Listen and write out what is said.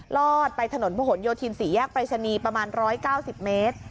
ลอดไปถนนมหนโยธินศรีแยกปริศนีประมาณ๑๙๐เมตร